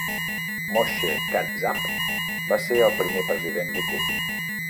Moshe Katsav va ser el primer president Likud.